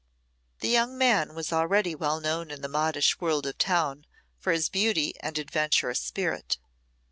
This young man was already well known in the modish world of town for his beauty and adventurous spirit.